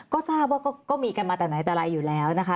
ก็ทราบว่าก็มีกันมาแต่ไหนแต่ไรอยู่แล้วนะคะ